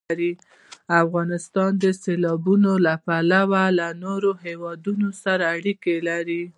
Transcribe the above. افغانستان د سیلابونو له پلوه له نورو هېوادونو سره اړیکې لري.